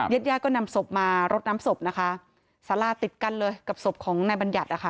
เย็ดยาดก็นำศพมารถน้ำศพซาร่าติดกันเลยกับศพของนายบรรยัตน์